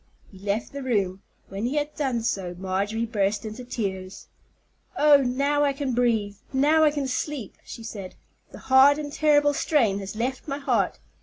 He left the room. When he had done so, Marjorie burst into tears. "Oh, now I can breathe, now I can sleep," she said. "The hard and terrible strain has left my heart.